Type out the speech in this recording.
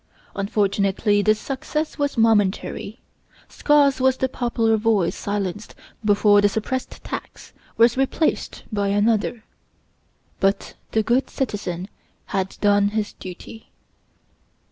Unfortunately, this success was momentary. Scarce was the popular voice silenced before the suppressed tax was replaced by another; but the good citizen had done his duty.